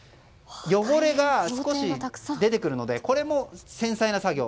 汚れが少し出てくるのでこれも繊細な作業。